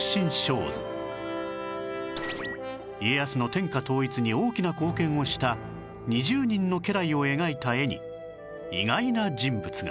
家康の天下統一に大きな貢献をした２０人の家来を描いた絵に意外な人物が